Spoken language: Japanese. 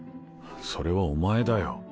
それはお前だよ。